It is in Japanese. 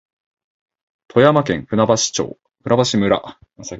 富山県舟橋村